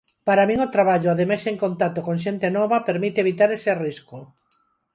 Para min o traballo, ademais en contacto con xente nova, permite evitar ese risco.